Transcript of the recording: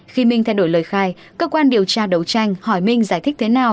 khi minh thay đổi lời khai cơ quan điều tra đấu tranh hỏi minh giải thích thế nào